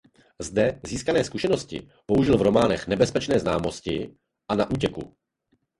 Zde získané zkušenosti použil v románech Nebezpečné znalosti a Na útěku.